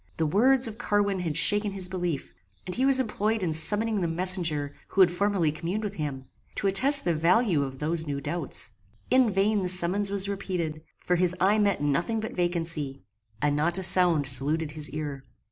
The words of Carwin had shaken his belief, and he was employed in summoning the messenger who had formerly communed with him, to attest the value of those new doubts. In vain the summons was repeated, for his eye met nothing but vacancy, and not a sound saluted his ear.